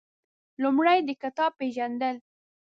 لومړی د کتاب پېژندل